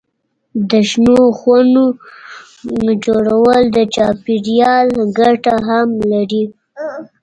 د شنو خونو جوړول د چاپېریال ګټه هم لري.